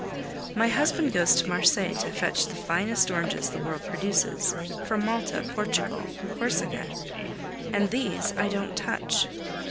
My husband goes to Marseilles to fetch the finest oranges the world produces from Malta, Portugal, Corsica and these I don't touch.